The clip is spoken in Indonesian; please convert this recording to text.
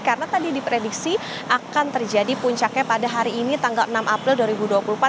karena tadi diprediksi akan terjadi puncaknya pada hari ini tanggal enam april dua ribu dua puluh empat